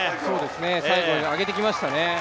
最後に上げてきましたね。